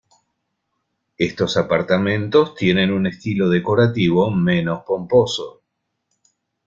Estos apartamentos tienen un estilo decorativo menos pomposo.